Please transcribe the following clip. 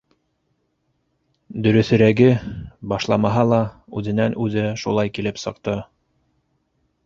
Дөрөҫөрәге, башламаһа ла үҙенән-үҙе шулай килеп сыҡты.